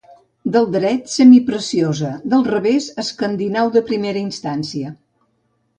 Del dret, semipreciosa, del revés escandinau de primera instància.